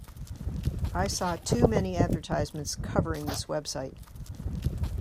I saw too many advertisements covering this website.